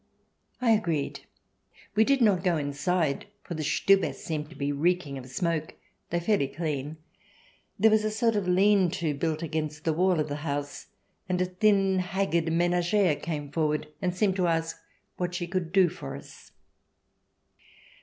I agreed. We did not go inside, for the Stube seemed to be reeking of smoke, though fairly clean. There was a sort of lean to built against the wall of the house, and a thin, haggard menagere came forward and seemed to ask what she could do for us.